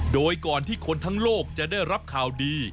โดยก่อนที่คนทั้งโลกจะได้รับข่าวดี